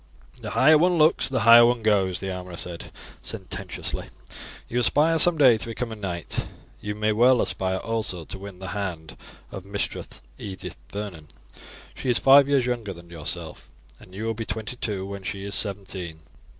"The higher one looks the higher one goes," the armourer said sententiously. "You aspire some day to become a knight, you may well aspire also to win the hand of Mistress Edith Vernon. She is five years younger than yourself, and you will be twenty two when she is seventeen.